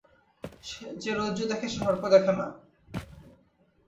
যে রজ্জু দেখে, সে সর্প দেখে না।